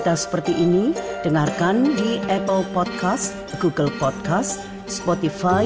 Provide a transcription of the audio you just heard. terima kasih mbak tia